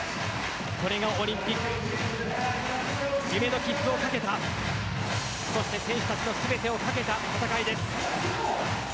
オリンピック夢の切符を懸けたそして選手たちの全てを懸けた戦いです。